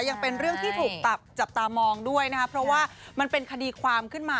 ยังเป็นเรื่องที่ถูกจับตามองด้วยนะครับเพราะว่ามันเป็นคดีความขึ้นมา